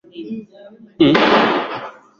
Sipendi kupangiwa maisha yangu.